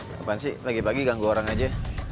kapan sih pagi pagi ganggu orang aja